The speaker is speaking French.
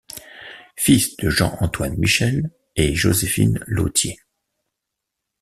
Fils de Jean-Antoine Michel et Joséphine Lautier.